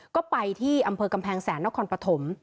ก็ไปที่อำเภอกำแพงแสนนครปฐม